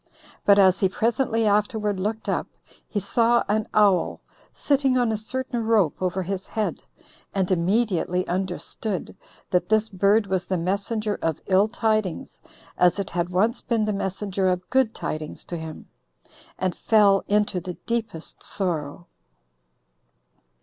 But as he presently afterward looked up, he saw an owl 21 sitting on a certain rope over his head, and immediately understood that this bird was the messenger of ill tidings, as it had once been the messenger of good tidings to him; and fell into the deepest sorrow.